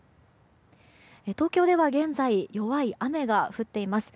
東京では現在、弱い雨が降っています。